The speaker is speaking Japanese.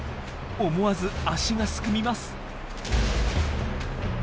思わず足がすくみます。